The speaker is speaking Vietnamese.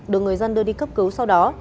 được người dân đưa đi cấp cứu sau đó